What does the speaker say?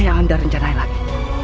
anda rencanai lagi